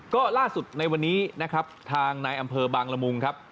ก็ล่าสุดในวันนี้นะครับทางนายอำเภอบางละมุงครับ